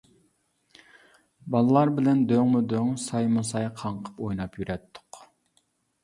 بالىلار بىلەن دۆڭمۇدۆڭ، سايمۇ ساي قاڭقىپ ئويناپ يۈرەتتۇق.